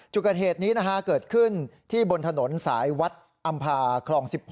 จุดเกิดเหตุนี้เกิดขึ้นที่บนถนนสายวัดอำพาคลอง๑๖